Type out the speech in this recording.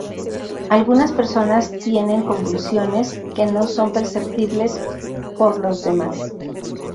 Algunas personas tienen convulsiones que no son perceptibles por los demás.